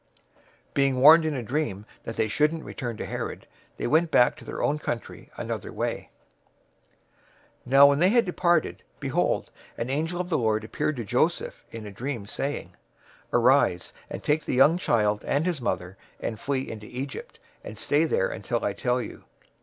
002:012 Being warned in a dream that they shouldn't return to Herod, they went back to their own country another way. 002:013 Now when they had departed, behold, an angel of the Lord appeared to Joseph in a dream, saying, "Arise and take the young child and his mother, and flee into Egypt, and stay there until I tell you, for Herod will seek the young child to destroy him."